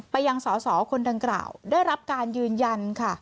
ยังสอสอคนดังกล่าวได้รับการยืนยันค่ะ